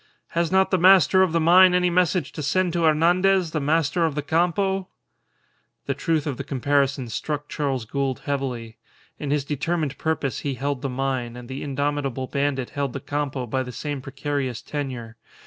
"Has not the master of the mine any message to send to Hernandez, the master of the Campo?" The truth of the comparison struck Charles Gould heavily. In his determined purpose he held the mine, and the indomitable bandit held the Campo by the same precarious tenure.